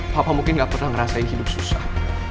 papa mungkin gak pernah ngerasain hidup susah